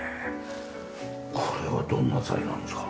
これはどんな材なんですか？